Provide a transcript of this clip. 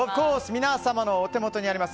皆様のお手元にあります